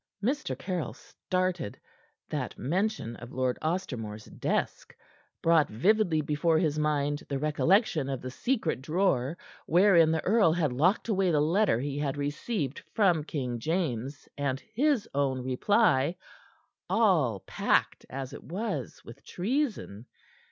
Mr. Caryll started. That mention of Ostermore's desk brought vividly before his mind the recollection of the secret drawer wherein the earl had locked away the letter he had received from King James and his own reply, all packed as it was, with treason.